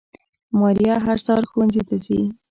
ماريه هر سهار ښوونځي ته ځي